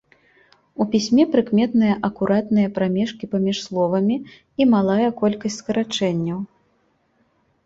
У пісьме прыкметныя акуратныя прамежкі паміж словамі і малая колькасць скарачэнняў.